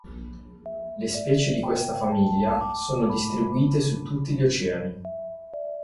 Le specie di questa famiglia sono distribuite su tutti gli oceani.